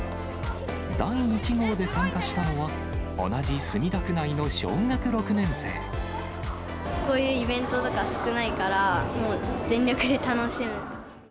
第１号で参加したのは、こういうイベントとかが少ないから、もう全力で楽しむ。